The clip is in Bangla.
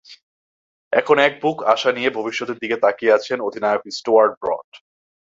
এখন একবুক আশা নিয়ে ভবিষ্যতের দিকে তাকিয়ে আছেন ইংলিশ অধিনায়ক স্টুয়ার্ট ব্রড।